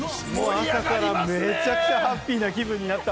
朝からめちゃくちゃハッピーな気分になった！